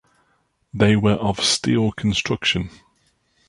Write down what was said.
They were of steel construction.